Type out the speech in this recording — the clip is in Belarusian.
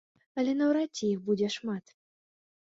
Але наўрад ці іх будзе шмат.